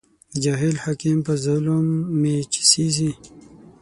د جاهل حاکم په ظلم مې چې سېزې